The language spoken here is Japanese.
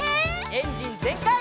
エンジンぜんかい！